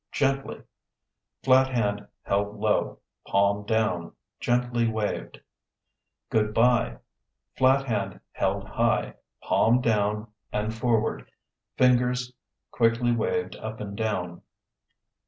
Gently (Flat hand held low, palm down, gently waved). Good bye (Flat hand held high, palm down and forward, fingers quickly waved up and down).